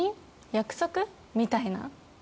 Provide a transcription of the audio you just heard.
約束？みたいな。